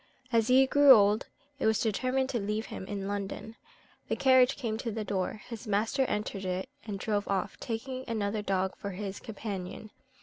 As he grew old, it was determined to leave him in London. The carriage came to the door, his master entered it, and drove off, taking another dog for his companion.